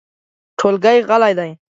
ټولګی غلی دی .